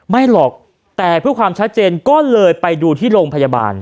หรอกแต่เพื่อความชัดเจนก็เลยไปดูที่โรงพยาบาล